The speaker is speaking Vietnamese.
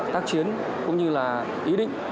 tác chiến cũng như là ý định